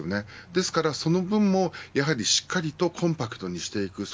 ですからその分もしっかりとコンパクトにしていく。